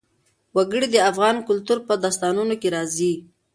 وګړي د افغان کلتور په داستانونو کې راځي.